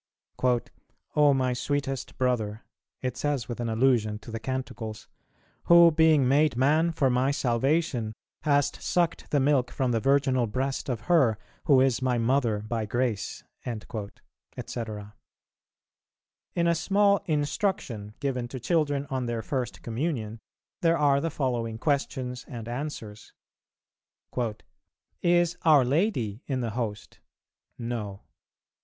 "O my sweetest Brother," it says with an allusion to the Canticles, "who, being made Man for my salvation, hast sucked the milk from the virginal breast of her, who is my Mother by grace," &c. In a small "Instruction" given to children on their first Communion, there are the following questions and answers: "Is our Lady in the Host? No.